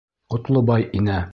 Ҡотлобай инә.